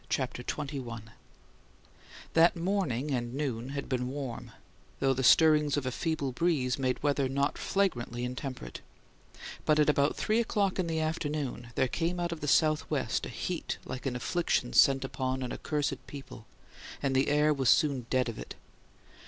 CHAPTER XXI That morning and noon had been warm, though the stirrings of a feeble breeze made weather not flagrantly intemperate; but at about three o'clock in the afternoon there came out of the southwest a heat like an affliction sent upon an accursed people, and the air was soon dead of it.